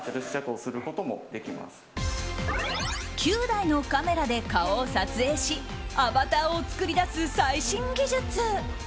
９台のカメラで顔を撮影しアバターを作り出す最新技術。